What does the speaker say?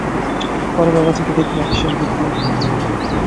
পরে বাবাজীকে দেখিয়া বিশেষ বৃত্তান্ত লিখিব।